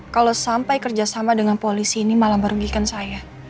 kalau sampai kerjasama dengan polisi ini malah merugikan saya